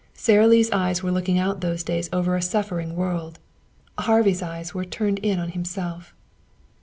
Sara Lee's eyes were looking out, those days, over a suffering world. Harvey's eyes were turned in on himself.